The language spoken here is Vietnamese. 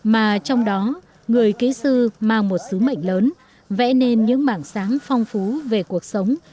mà trong đó người kỹ sư mang một sứ mệnh lớn vẽ nên những mảng sáng phong phú về cuộc sống